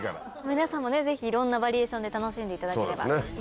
皆さんもぜひいろんなバリエーションで楽しんでいただければいいですね。